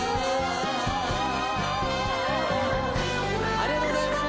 ありがとうございます！